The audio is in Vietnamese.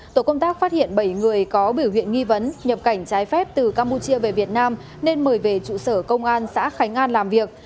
tổ công tác phát hiện bảy người có biểu hiện nghi vấn nhập cảnh trái phép từ campuchia về việt nam nên mời về trụ sở công an xã khánh an làm việc